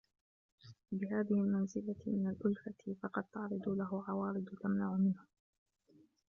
بِهَذِهِ الْمَنْزِلَةِ مِنْ الْأُلْفَةِ فَقَدْ تَعْرِضُ لَهُ عَوَارِضُ تَمْنَعُ مِنْهَا